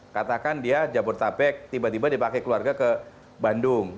katakan dia jabodetabek tiba tiba dipakai keluarga ke bandung